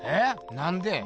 なんで？